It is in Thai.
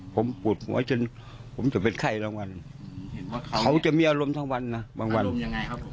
ผมปวดหัวจนผมจะเป็นไข้รางวัลเขาจะมีอารมณ์ทั้งวันนะบางวันอารมณ์ยังไงครับผม